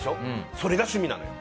それが趣味なのよ。